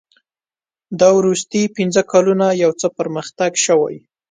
دا وروستي پنځه کلونه یو څه پرمختګ شوی.